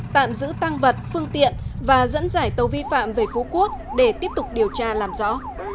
tạm giữ tăng vật phương tiện và dẫn dải tàu vi phạm về phú quốc để tiếp tục điều tra làm rõ